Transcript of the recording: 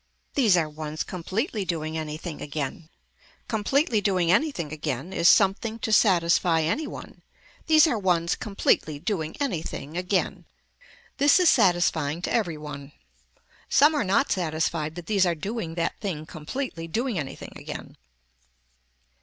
These are ones completely doing anything again. Completely doing anything again is something to satisfy any one. These are ones completely doing anything again. This is satisfying to every one. Some are not satisfied that these are doing that thing completely doing anything again.